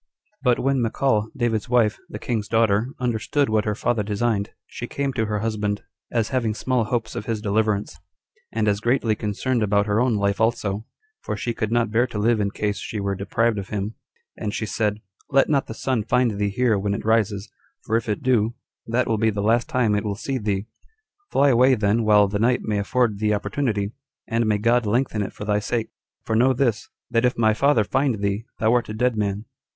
But when Michal, David's wife, the king's daughter, understood what her father designed, she came to her husband, as having small hopes of his deliverance, and as greatly concerned about her own life also, for she could not bear to live in case she were deprived of him; and she said, "Let not the sun find thee here when it rises, for if it do, that will be the last time it will see thee: fly away then while the night may afford thee opportunity, and may God lengthen it for thy sake; for know this, that if my father find thee, thou art a dead man."